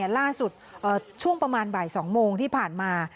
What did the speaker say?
ช่วงประมาณบ่าย๒โมงที่ผ่านมา